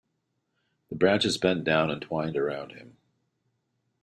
The branches bent down and twined around him.